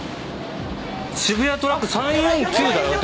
渋谷トラック、３４９だよって。